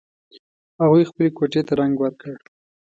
هغوی خپلې کوټې ته رنګ ور کړ